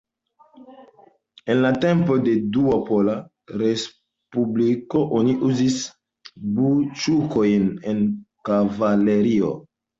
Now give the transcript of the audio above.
En la tempoj de Dua Pola Respubliko oni uzis bunĉukojn en kavalerio.